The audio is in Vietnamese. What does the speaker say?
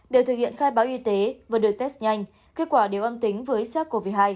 đều thực hiện khai báo y tế và được test nhanh kết quả đều âm tính với sars cov hai